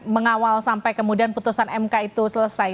mengawal sampai kemudian putusan mk itu selesai